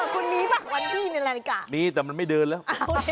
คุณมีป่ะวันที่ในนาฬิกามีแต่มันไม่เดินแล้ว